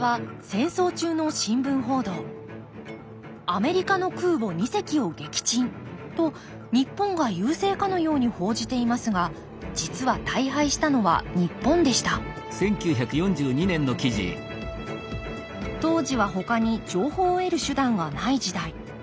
「アメリカの空母二隻を撃沈」と日本が優勢かのように報じていますが実は大敗したのは日本でした当時はほかに情報を得る手段がない時代。